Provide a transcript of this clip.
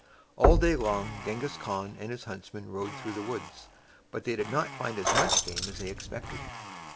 All day long Gen ghis Khan and his huntsmen rode through the woods. But they did not find as much game as they expected.